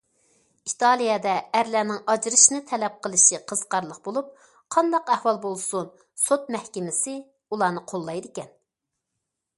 ئىتالىيەدە ئەرلەرنىڭ ئاجرىشىشنى تەلەپ قىلىشى قىزىقارلىق بولۇپ، قانداق ئەھۋال بولسۇن، سوت مەھكىمىسى ئۇلارنى قوللايدىكەن.